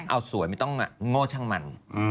เอาสวยไม่ต้องโง่ช่างมัน